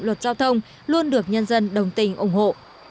luật giao thông luôn được nhân dân đồng tình ủng hộ